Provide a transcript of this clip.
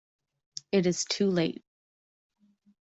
It is too late.